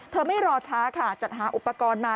ไม่รอช้าค่ะจัดหาอุปกรณ์มา